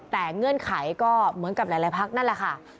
แต่เงื่อนไขก็เหมือนกับหลายพักนั่นแหละค่ะ